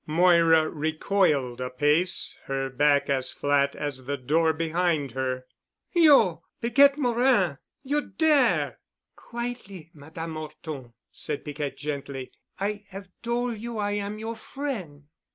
Moira recoiled a pace, her back as flat as the door behind her. "You——! Piquette Morin! You'd dare!" "Quietly, Madame 'Orton," said Piquette gently, "I 'ave tol' you I am your frien'."